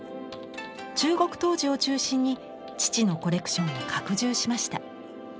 中国陶磁を中心に父のコレクションを拡充しました。